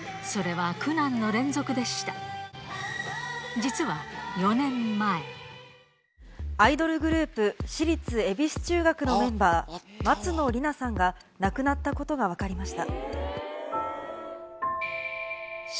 実はアイドルグループ私立恵比寿中学のメンバー松野莉奈さんが亡くなったことが分かりました。